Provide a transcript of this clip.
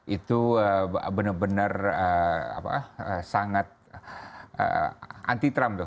itu benar benar sangat anti trump tuh